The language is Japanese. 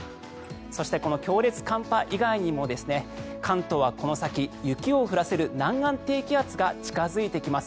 そしてこの強烈寒波以外にも関東はこの先雪を降らせる南岸低気圧が近付いてきます。